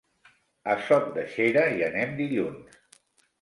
A Sot de Xera hi anem dilluns.